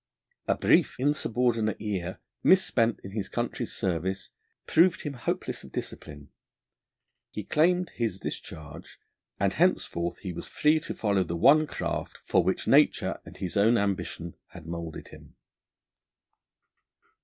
A brief, insubordinate year, misspent in his country's service, proved him hopeless of discipline: he claimed his discharge, and henceforth he was free to follow the one craft for which nature and his own ambition had moulded him.